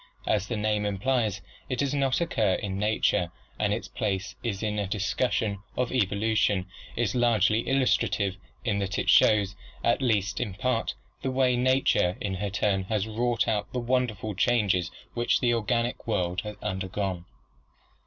As the name implies, it does not occur in nature and its place in a discus sion of evolution is largely illustrative, in that it shows, at least in part, the way nature in her turn has wrought out the wonderful changes which the organic world has undergone.